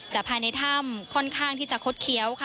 แต่ภายในถ้ำค่อนข้างที่จะคดเคี้ยวค่ะ